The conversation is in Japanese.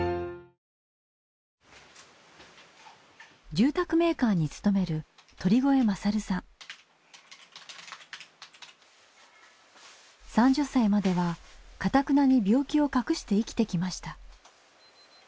住宅メーカーに勤める３０歳まではかたくなに病気を隠して生きてきました。